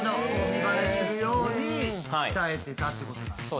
見栄えするように鍛えてたってことなんですね。